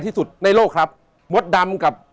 ที่สุดในโลกครับมดดำกับ